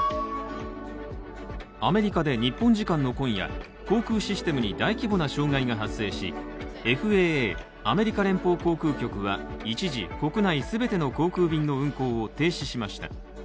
アメリカで日本時間の今夜、航空システムに大規模な障害が発生しＦＡＡ＝アメリカ連邦航空局は一時、国内全ての航空便の運航を停止しました。